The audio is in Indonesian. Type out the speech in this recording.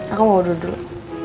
aku mau duduk